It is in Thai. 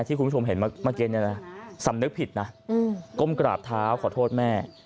คุณผู้ชมเห็นเมื่อกี้เนี่ยนะสำนึกผิดนะก้มกราบเท้าขอโทษแม่